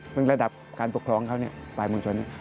เป็นระดับการปกครองเขาปลายมวลชน